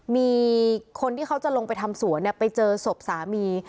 มีคนที่เขาจะลงไปทำสวนไปเจอศพสามี